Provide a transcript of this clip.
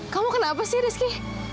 kamu kenapa sih rizky